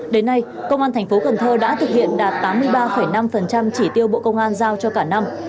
đến nay công an thành phố cần thơ đã thực hiện đạt tám mươi ba năm chỉ tiêu bộ công an giao cho cả năm